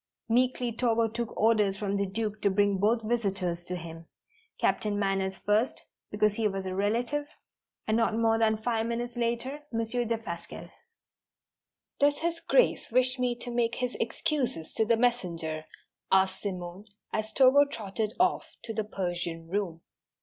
Meekly Togo took orders from the Duke to bring both visitors to him, Captain Manners first, because he was a relative, and not more than five minutes later, Monsieur Defasquelle. "Does His Grace wish me to make his excuses to the messenger?" asked Simone, as Togo trotted off to the Persian room.